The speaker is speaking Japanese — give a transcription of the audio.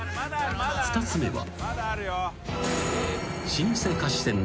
２つ目は］